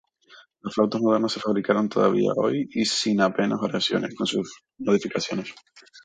Las flautas modernas se fabrican, todavía hoy y sin apenas variaciones, con sus modificaciones.